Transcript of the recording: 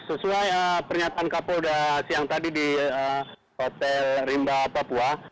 sesuai pernyataan kapolda siang tadi di hotel rimba papua